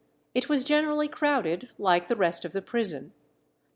It was generally crowded, like the rest of the prison.